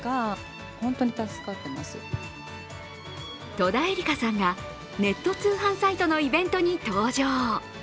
戸田恵梨香さんがネット通販サイトのイベントに登場。